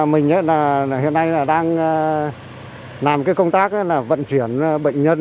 mình hiện nay đang làm công tác vận chuyển bệnh nhân f